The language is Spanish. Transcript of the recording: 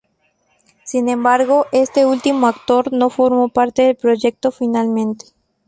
Sin embargo, este último actor no formó parte del proyecto finalmente.